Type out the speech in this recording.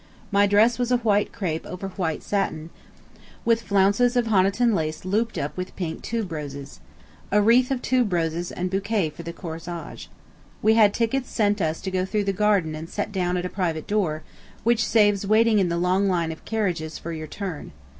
My dress was a white crêpe over white satin, with flounces of Honiton lace looped up with pink tuberoses. A wreath of tuberoses and bouquet for the corsage. We had tickets sent us to go through the garden and set down at a private door, which saves waiting in the long line of carriages for your turn.